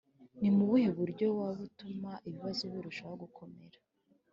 Ni mu buhe buryo waba utuma ibibazo birushaho gukomera